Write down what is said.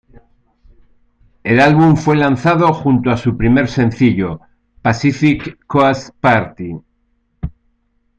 El álbum fue lanzado junto a su primer sencillo, "Pacific Coast Party".